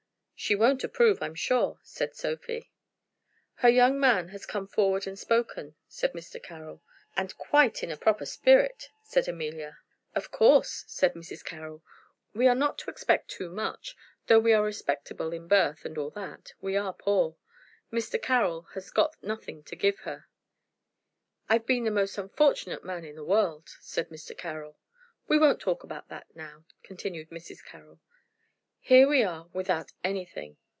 "She won't approve, I'm sure," said Sophie. "Her young man has come forward and spoken," said Mr. Carroll. "And quite in a proper spirit," said Amelia. "Of course," said Mrs. Carroll, "we are not to expect too much. Though we are respectable in birth, and all that, we are poor. Mr. Carroll has got nothing to give her." "I've been the most unfortunate man in the world," said Mr. Carroll. "We won't talk about that now," continued Mrs. Carroll. "Here we are without anything."